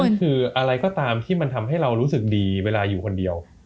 มันคืออะไรก็ตามที่มันทำให้เรารู้สึกดีเวลาอยู่คนเดียว